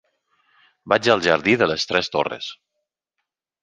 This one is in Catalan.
Vaig al jardí de les Tres Torres.